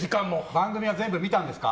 番組は全部見たんですか？